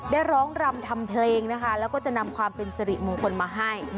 ได้ร้องรำทำเพลงนะคะแล้วก็จะนำความเป็นสิริมงคลมาให้